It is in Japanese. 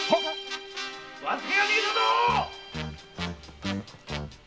・和助が逃げたぞ！